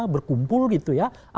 berkumpul gitu ya